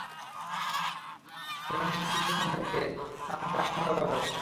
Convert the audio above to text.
সেটা মাঝমাঠের একটু সামনে যেখান থেকে ফ্রান্সের আক্রমণটা গড়ে ওঠার কথা।